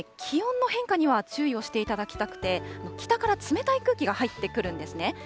ただですね、気温の変化には注意をしていただきたくて、北から冷たい空気が入ってくるんですね。